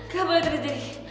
ga boleh terjadi